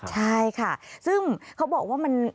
ใช่ค่ะซึ่งเขาบอกว่ามัน